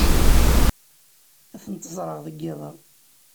Ad tent-ẓreɣ deg yiḍ-a.